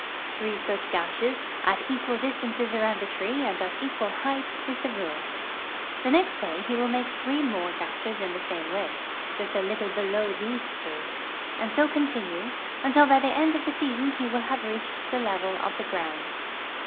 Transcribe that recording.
Three such gashes, at equal distances around the tree and at equal height, is the rule. The nextda}^ he will make three more gashes in the same way, just a little below these three, and so continue, until by the end of the season he will have reached the level of the ground.